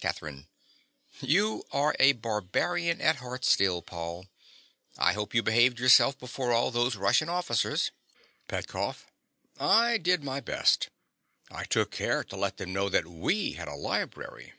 CATHERINE. You are a barbarian at heart still, Paul. I hope you behaved yourself before all those Russian officers. PETKOFF. I did my best. I took care to let them know that we had a library.